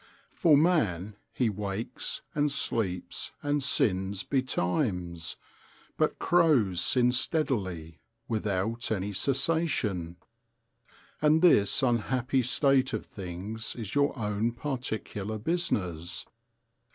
For man, he wakes and sleeps and sins betimes: but crows sin steadily, without any cessation. And this unhappy state of things is your own particular business.